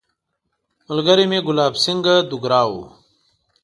ملګری مې ګلاب سینګهه دوګرا وو.